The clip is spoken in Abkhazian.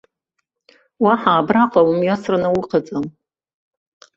Уаҳа абраҟа умҩасраны уҟаӡам.